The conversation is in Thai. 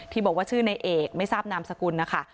บอกว่าชื่อในเอกไม่ทราบนามสกุลนะคะ